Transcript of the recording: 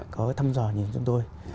có thăm dò nhìn chúng tôi